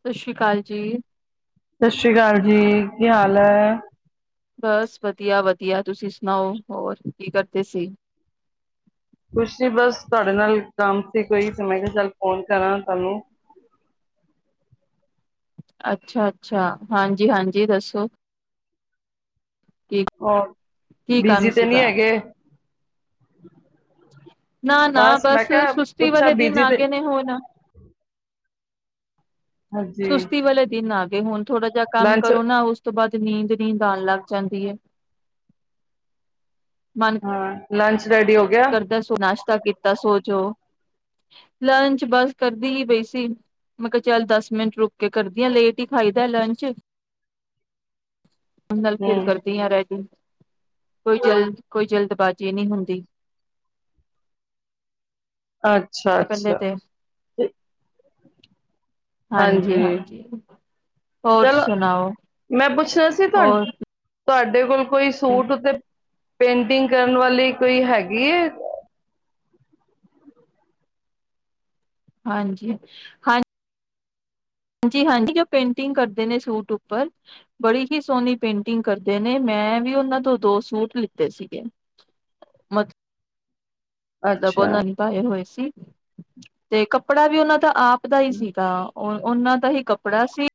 ਸਤਿ ਸ਼੍ਰੀ ਅਕਾਲ ਜੀ ਸਤਿ ਸ੍ਰੀ ਅਕਾਲ ਜੀ ਕੀ ਹਾਲ ਹੈ ਬਸ ਵਧੀਆ ਵਧੀਆ ਤੁਸੀਂ ਸੁਣਾਓ ਹੋਰ ਕੀ ਕਰਦੇ ਸੀ ਕੁਛੀ ਬਸ ਤੁਹਾਡੇ ਨਾਲ ਕੰਮ ਸੀ ਕੋਈ ਤੇ ਮੈਂ ਕਿਹਾ ਚੱਲ ਫੋਨ ਕਰਾਂ ਤੁਹਾਨੂੰ ਅੱਛਾ ਅੱਛਾ ਹਾਂਜੀ ਹਾਂਜੀ ਦੱਸੋ ਕੀ ਹ ਕੀ ਕੰਮ ਬੀਜੀੀ ਤੇ ਨਹੀਂੀ ਸੀਗਾ ਹੈਗੇ [unintelligible] ਨਾ ਨਾ ਮੈਂ ਬਸ ਕਿਹਾ ਸੁਸਤੀ ਪੁੱਛਾਂ ਵਾਲੇ ਦਿਨ ਬਿਜੀ ਆ ਤੇ ਗਏ ਨੇ ਹੁਣ ਹਾਂਜੀ ਸੁਸਤੀ ਵਾਲੇ ਦਿਨ ਆ ਤੇ ਹੁਣ ਥੋੜ੍ਹਾ ਜਿਹਾ ਕੰਮ ਲੰਚ ਕਰੋ ਨਾ ਉਸ ਤੋਂ ਬਾਅਦ ਨੀਂਦ-ਨੀਂਦ ਆਣ ਲੱਗ ਜਾਂਦੀ ਏ। ਹਾਂ। ਲੰਚ ਰੈਡੀ ਹੋ ਗਿਆ। ਤਾਂ ਕੀਤਾ ਸੋਜੋ, ਲੰਚ ਬਸ ਕਰਦੀ ਹੀ ਪਈ ਸੀ, ਮੈਂ ਕਿਹਾ ਚੱਲ ਦਸ ਮਿੰਟ ਰੁਕ ਕੇ ਕਰਦੀ ਆ ਲੇਟ ਹੀ ਖਾਈਦਾ ਲੰਚ ਅੰਦਰ ਫਿਰ ਹਮ ਕਰਦੀ ਹਾਂ ਰੈਡੀ ਕੋਈ ਜਲਦ, ਕੋਈ ਜਲਦਬਾਜ਼ੀ ਨਹੀਂ ਹੁੰਦੀ। ਅੱਛਾ- ਪਹਿਲੇ ਅੱਛਾ। ਤੇ ਹਾਂਜੀ- ਹਾਂਜੀ, ਹੋਰ ਚਲੋ ਸੁਣਾਓ, ਮੈਂ ਪੁੱਛਣਾ ਸੀ ਤੁਹਾ ਹੋਰ ਤੁਹਾਡੇ ਕੋਲ ਕੋਈ ਸੂਟ ਤੇ ਪੇਂਟਿੰਗ ਕਰਨ ਵਾਲੀ ਕੋਈ ਹੈਗੀ ਏ? ਹਾਂਜੀ ਹਾਂ, ਹਾਂਜੀ- ਹਾਂਜੀ ਪੇਂਟਿੰਗ ਕਰਦੇ ਨੇ ਸੂਟ ਉੱਪਰ ਬੜੀ ਹੀ ਸੋਹਣੀ ਪੇਂਟਿੰਗ ਕਰਦੇ ਨੇ ਮੈਂ ਵੀ ਉਹਨਾਂ ਤੋਂ ਦੋ ਸੂਟ ਲਿੱਤੇ ਸੀਗੇ, ਮਤ ਦਬੋ ਅੱਛਾ ਉਹਨਾਂ ਨੀ ਪਾਏ ਹੋਏ ਸੀ। ਤੇ ਕੱਪੜਾ ਵੀ ਉਹਨਾਂ ਤਾਂ ਆਪ ਦਾ ਹੀ ਸੀਗਾ। ਉਹਨਾਂ ਦਾ ਹੀ ਕੱਪੜਾ ਸੀ।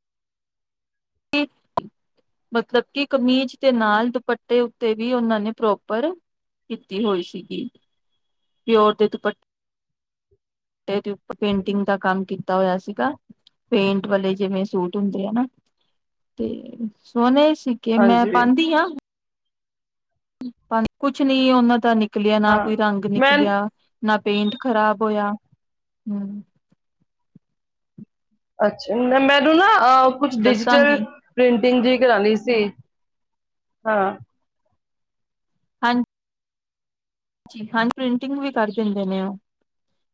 ਮਤਲਬ ਕਿ ਕਮੀਜ਼ ਦੇ ਨਾਲ ਦੁਪੱਟੇ ਉੱਤੇ ਵੀ ਉਹਨਾਂ ਨੇ ਪ੍ਰੋਪਰ ਕੀਤੀ ਹੋਈ ਸੀਗੀ ਪਿਓਰ ਦੇ ਦੁਪੱਟੇ ਤੇ ਪੇਂਟਿੰਗ ਦਾ ਕੰਮ ਕੀਤਾ ਕੀਤਾ ਹੋਇਆ ਸੀਗਾ, ਪੇਂਟ ਵਾਲੇ ਜਿਵੇਂ ਸੂਟ ਹੁੰਦੇ ਆ ਨਾ ਤੇ ਸੋਹਣੇ ਠੀਕ ਹੈ, ਮੈਂ ਹਾਂਜੀ ਪਾਂਦੀ ਹਾਂ। ਪਾਂ ਕੁਛ ਨੀ ਉਹਨਾਂ ਦਾ ਨੀ ਨਿਕਲਿਆ ਨਾ ਹਾਂ ਕੋਈ ਰੰਗ ਮੈਂ ਨਿਕਲਿਆ। ਨਾ ਪੇਂਟ ਖਰਾਬ ਹੋਇਆ, ਹੂੰ ਅੱਛਾ, ਮੈਨੂੰ ਨਾ ਆਹ ਕੁਛ ਡਿਜੀਟਲ ਦੱਸਾਂਗੀ ਪ੍ਰਿੰਟਿੰਗ ਜੀ ਕਰਾਣੀ ਸੀ। ਹਾਂ। ਹਾਂਜੀ। ਹਾਂਜੀ ਪ੍ਰਿੰਟਿੰਗ ਵੀ ਕਰ ਦਿੰਦੇ ਨੇ ਉਹ,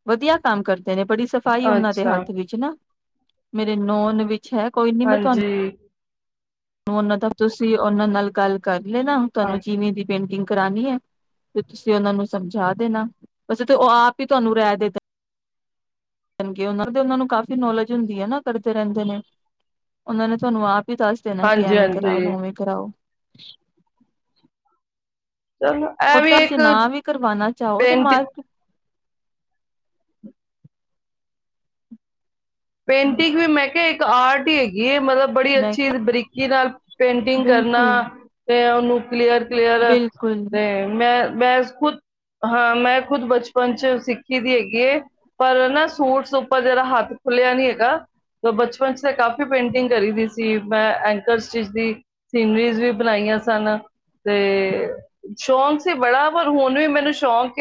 ਵਧੀਆ ਕੰਮ ਕਰਦੇ ਨੇ ਬੜੀ ਸਫ਼ਾਈ ਉਹਨਾਂ ਦੇ ਅੱਛਾ ਹੱਥ ਵਿੱਚ ਨਾ। ਮੇਰੇ ਨੌਨ ਵਿੱਚ ਅੱਛਾ ਕੋਈ ਨੀ ਮੈਂ ਤੁਹਾਨੂੰ ਹਾਂਜੀ ਉਹਨਾਂ ਦਾ ਤੁਸੀਂ ਉਹਨਾਂ ਨਾਲ ਗੱਲ ਕਰ ਲੇ ਨਾ ਅ, ਤੁਹਾਨੂੰ ਜਿਵੇਂ ਦੀ ਪੇਂਟਿੰਗ ਕਰਾਉਣੀ ਹੈ। ਉਹਨਾਂ ਨੂੰ ਕਾਫੀ ਨੌਲੇਜ ਹੁੰਦੀ ਹੈ ਨਾ ਕਰਦੇ ਰਹਿੰਦੇ ਨੇ ਉਹਨਾਂ ਨੇ ਤੁਹਾਨੂੰ ਆ ਵੀ ਦੱਸ ਦੇਣਾ ਕਿ ਹਾਂਜੀ ਐਵੇਂ ਕਰਾਓ ਹਾਂਜੀ ਉਵੇਂ ਕਰਾਓ [unintelligible] ਚਲੋ ਇਹ ਓਦਾਂ ਵੀ ਇੱਕ ਤੁਸੀਂ ਨ ਵੀ ਕਰਵਾਣਾ ਚਾਹੋ ਤੇ ਮ ਪੇਂਟ [inaudible] ਪੇਂਟਿੰਗ ਵੀ ਮੈਂ ਕਿਹਾ ਇੱਕ ਆਰਟੀ ਹੀ ਹੈਗੀ ਹੈ ਮਤਲਬ ਬੜੀ ਮੈਂ ਅੱਛੀ ਕਿਹਾ ਬਰੀਕੀ ਨਾਲ ਪੇਂਟਿੰਗ ਕਰਨਾ ਬਿਲਕੁਲ ਤੇ ਉਹਨੂੰ ਕਲੀਅਰ ਕਲੀਅਰ ਬਿਲਕੁਲ ਤੇ ਮੈਂ ਬੈਂ ਖੁੱਦ ਹਾਂ ਮੈਂ ਖੁਦ ਬਚਪਨ ਚ ਸਿੱਖੀ ਦੀ ਹੈਗੀ ਪਰ ਨਾ ਸੂਟਸ ਉੱਪਰ ਜਿਹੜਾ ਹੱਥ ਖੁੱਲਿਆ ਨੀ ਹੈਗਾ ਬਚਪਨ ਚ ਤਾਂ ਕਾਫ਼ੀ ਪੇਂਟਿੰਗ ਕਰੀ ਦੀ ਸੀ ਮੈਂ ਐਂਕਰ ਸਟਿ ਦੀ ਸੀਨਰੀਜ਼ ਵੀ ਬਣਾਈਆਂ ਸਨ ਤੇ ਸ਼ੌਂਕ ਸੀ ਬੜਾ ਪਰ ਹੁਣ ਵੀ ਮੈਨੂੰ ਸ਼ੌਂਕ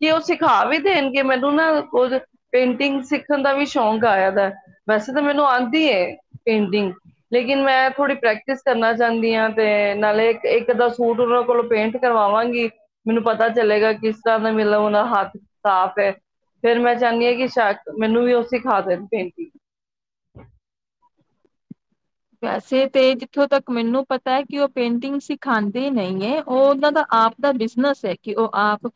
ਕਿ ਉਹ ਸਿਖਾ ਵੀ ਦੇਣਗੇ ਮੈਨੂੰ ਨਾ ਕੁ ਪੇਂਟਿੰਗ ਸਿੱਖਣ ਦਾ ਵੀ ਸ਼ੌਕ ਆਇਆ ਵੈਸੇ ਤਾਂ ਮੈਨੂੰ ਆਉਂਦੀ ਪੇਂਟਿੰਗ ਲੇਕਿਨ ਮੈਂ ਥੋੜ੍ਹੀ ਪ੍ਰੈਕਟਿਸ ਕਰਨਾ ਚਾਹੁੰਦੀ ਹਾਂ ਤੇ ਨਾਲੇ ਇੱਕ ਅੱਧਾਂ ਸੂਟ ਉਹਨਾਂ ਕੋਲੋਂ ਪੇਂਟ ਕਰਵਾਵਾਂਗੀ ਮੈਨੂੰ ਪਤਾ ਚਲੇਗਾ ਕਿਸ ਤਰ੍ਹਾਂ ਦਾ ਮਤਲਬ ਉਹ ਦਾ ਹੱਥ ਸਾਫ ਹੈ ਫੇਰ ਮੈਂ ਚਾਹੁੰਦੀ ਹਾਂ ਕਿ ਸ਼ ਮੈਨੂੰ ਵੀ ਸਿਖਾ ਦੇ ਨੇ ਪੇਂਟਿੰਗ ਵੈਸੇ ਤੇ ਜਿਥੋਂ ਤੱਕ ਮੈਨੂੰ ਪਤਾ ਹੈ ਕਿ ਉਹ ਪੇਂਟਿੰਗ ਸਿਖਾਦੇ ਨਹੀਂ ਹੈ ਉਹ ਉਹਨਾਂ ਦਾ ਆਪ ਦਾ ਬਿਜਨਸ ਹੈ ਕਿ ਉਹ ਆਪ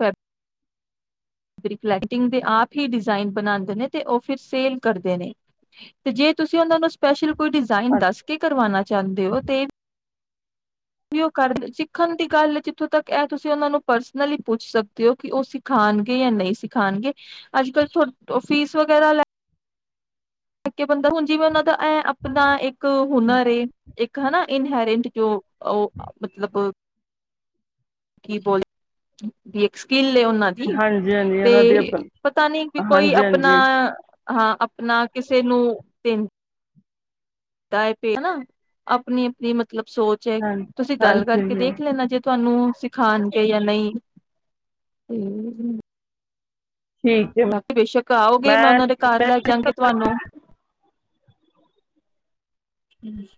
ਫਲੈਟਿੰਗ ਤੇ ਆਪ ਹੀ ਡਿਜ਼ਾਇਨ ਬਣਾਦੇ ਨੇ ਤੇ ਉਹ ਫਿਰ ਸੇਲ ਕਰਦੇ ਨੇ ਤੇ ਜੇ ਤੁਸੀਂ ਉਹਨਾ ਨੂੰ ਸਪੈਸ਼ਲ ਕੋਈ ਡਿਜ਼ਾਇਨ ਦੱਸ ਅੱਛਾ ਕੇ ਕਰਵਾਉਣਾ ਚਾਹੁੰਦੇ ਹੋ ਤੇ ਵੀ ਉਹ ਕਰ ਸਿੱਖਣ ਦੀ ਗੱਲ ਜਿੱਥੋਂ ਤੱਕ ਇਹ ਤੁਸੀਂ ਉਹਨਾਂ ਨੂੰ ਪਰਸਨਲੀ ਪੁੱਛ ਸਕਦੇ ਹੋ ਕਿ ਉਹ ਸਿਖਾਉਣਗੇ ਜਾਂ ਨਹੀਂ ਸਿਖਾਉਣਗੇ ਅੱਜ ਕੱਲ ਤੁ ਫੀਸ ਵਗੈਰਾ ਲੈ ਇੱਕ ਬੰਦਾ ਹੁਣ ਜਿਵੇਂ ਉਹਨਾਂ ਦਾ ਇਹ ਆਪਣਾ ਇੱਕ ਹੁਨਰ ਏ ਇੱਕ ਹਨਾ ਇਨਹਰਿੰਟ ਜੋ ਉਹ ਮਤਲਬ ਕੀ ਬ [unintelligible] ਦੀ ਇੱਕ ਸਕਕਿਲ ਤੇ ਉਹਨਾਂ ਦੀ ਹਾਂਜੀ ਹਾਂਜੀ ਤੇ ਉਹਨਾਂ ਦੀ ਆਪਣ ਪਤਾ ਨੀ ਵੀ ਕੋਈ ਹਾਂਜੀ ਆਪਣਾ ਹਾਂਜੀ ਹਾਂ ਆਪਣਾ ਕਿਸੇ ਨੂੰ ਦਿਨ ਤਏ ਪੇ ਨਾ ਆਪਣੀ ਆਪਣੀ ਮਤ ਮਤਲਬ ਸੋਚ ਹੈ ਹਾਂ- ਤੁਸੀਂ ਗੱਲ ਹਾਂਜੀ ਕਰਕੇ ਹਾਂਜੀ ਦੇਖ ਲੈਣਾ ਜੇ ਤੁਹਾਨੂੰ ਸਿਖਾਉਣਗੇ ਜਾਂ ਨਹੀਂ ਠੀਕ ਹੈ ਬਾਕੀ ਬੇਸ਼ੱਕ ਆਉਗੀ ਮੈਂ ਉਹਨਾਂ ਦੇ ਘਰ ਲੈ ਜਾਗੀ ਤੁਹਾਨੂੰ ਠੀਕ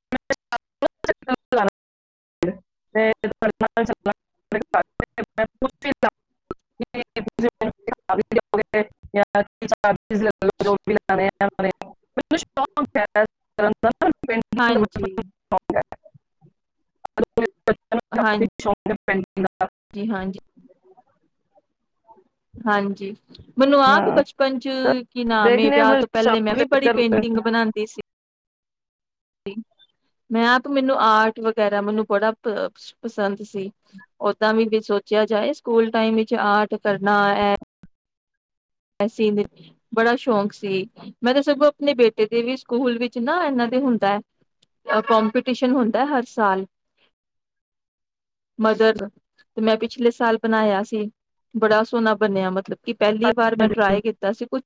[unintelligible] [inaudible] [unintelligible] ਹਾਂਜੀ, ਬਚਪਨ ਤੋਂ ਸ਼ੌਂਕ ਹੈ ਅਦੋਂ ਮੇਰੇ ਬੱਚਿਆਂ ਨੂੰ ਹਾਂ [unintelligible] ਜੀ ਹਾਂਜੀ, ਹਾਂਜੀ, ਮੈਨੂੰ ਆਪ ਬਚਪਨ ਚ ਕੀ ਨਾ ਮੈਂ ਵਿਆਹ ਤੋਂ ਪਹਿਲੇ ਮੈਂ ਵੀ ਬੜੀ ਪੇਂਟਿੰਗ ਬਣਾਦੀ ਸੀ। ਮੈਂ ਮੈਨੂੰ ਆਰਟ ਵਗੈਰਾ ਮੈਨੂੰ ਬੜਾ ਪਸੰਦ ਸੀ, ਓਦਾਂ ਵੀ ਜੇ ਸੋਚਿਆ ਜਾਏ ਸਕੂਲ ਟਾਈਮ ਵਿੱਚ ਆਰਟ ਕਰਨਾ ਐ। [unintelligible] ਬੜਾ ਸ਼ੌਕ ਸੀ ਮੈਂ ਤਾਂ ਸਗੋਂ ਆਪਣੇ ਬੇਟੇ ਦੇ ਵੀ ਸਕੂਲ ਵਿੱਚ ਨਾ ਇਨਾਂ ਦੇ ਹੁੰਦਾ ਹੈ, ਕੋਪੀਟੀਸ਼ਨ ਹੁੰਦਾ ਹਰ ਸਾਲ ਮਦਰ ਤੇ ਮੈਂ ਪਿਛਲੇ ਸਾਲ ਬਣਾਇਆ ਸੀ, ਬੜਾ ਸੋਹਣਾ ਬਣਿਆ ਮਤਲਬ ਕਿ ਪਹਿਲੀ ਹਾਂ ਵਾਰ ਮੈਂ ਟਰਾਈ ਕੀਤਾ ਸੀ ਕੁਛਛ,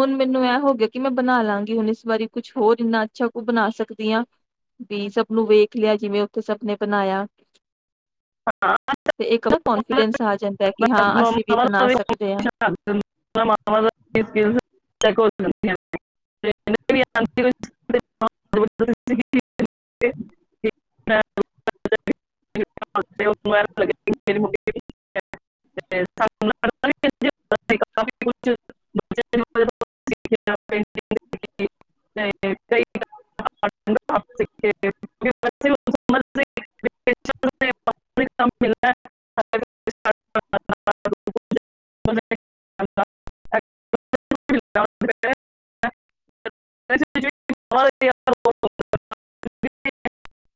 ਹੁਣ ਮੈਨੂੰ ਇਹ ਹੋ ਗਿਆ ਕਿ ਮੈਂ ਬਣਾ ਲਾਂਗੀ ਹੁਣ ਇਸ ਵਾਰੀ ਕੁਛ ਹੋਰ ਇੰਨਾ ਅੱਛਾ ਕੁ ਬਣਾ ਸਕਦੀ ਹਾਂ, ਵੀ ਸਭ ਨੂੰ ਵੇਖ ਲਿਆ ਜਿਵੇਂ ਸਬਨੇ ਬਣਾਇਆ। ਤੇ ਇੱਕ ਨਾ ਕਨਫੀਡੈਂਸ ਆ ਜਾਂਦਾ ਕਿ ਹਾਂ ਅਸੀਂ ਵੀ ਬਣਾ ਸਕਦੇ ਹਾਂ। [unintelligible] [inaudible] [inaudible] ਉਹਨੂੰ ਐਂ ਲੱਗਿਆ [unintelligible] [unintelligible] [unintelligible] [unintelligible]